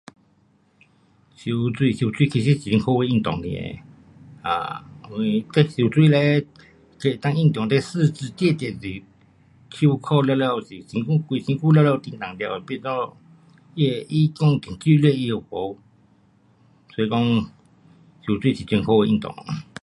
游泳游泳其实是很好的运动游泳当运动 [unintelligible] 其实手脚，全身都动 [unintelligible] 游泳是很好的运动